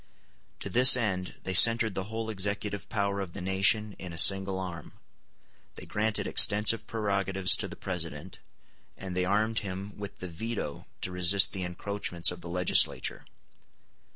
To this end they centred the whole executive power of the nation in a single arm; they granted extensive prerogatives to the President, and they armed him with the veto to resist the encroachments of the legislature.